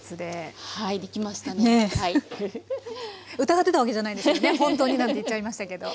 疑ってたわけじゃないですからね「ほんとに」なんて言っちゃいましたけど。